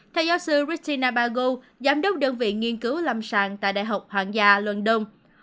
theo giáo sư ristinabago giám đốc đơn vị nghiên cứu lâm sàng tại đại học hoàng gia luân đông